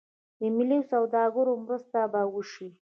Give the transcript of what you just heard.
د ملي سوداګرو مرسته به وشي.